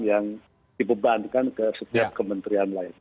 yang dibebankan ke setiap kementerian lain